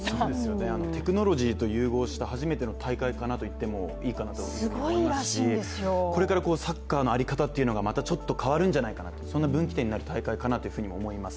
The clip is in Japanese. テクノロジーと融合した初めての大会かなと言ってもいいぐらいだと思いますしこれからサッカーの在り方っていうのがちょっと変わるんじゃないかなそんな分岐点になる大会かなと思います。